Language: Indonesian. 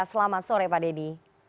selamat sore pak deddy